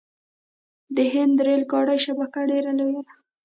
د هند ریل ګاډي شبکه ډیره لویه ده.